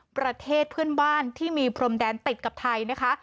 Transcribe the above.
ประเทศเพื่อนบ้านที่มีพรมแดนติดกับไทยนะคะ